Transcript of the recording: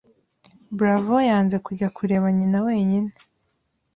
Bravo yanze kujya kureba nyina wenyine